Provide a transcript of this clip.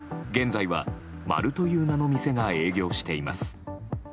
７店舗全てで現在はマルという名の店が営業しています。